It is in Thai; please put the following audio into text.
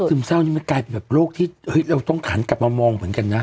เศร้านี่มันกลายเป็นแบบโรคที่เราต้องหันกลับมามองเหมือนกันนะ